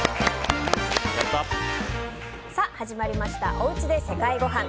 おうちで世界ごはん。